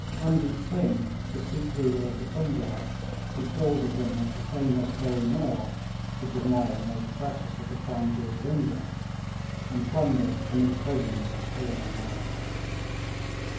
Runjeet Singh, the Sikh ruler of the Punjaub, defrauded him of the famous Koh i noor, which is now the most precious of the crown jewels of England, and plundered and imprisoned the fallen man.